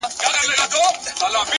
• چي هر څه یې په دانو خواري ایستله,